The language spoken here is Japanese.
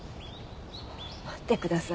待ってください。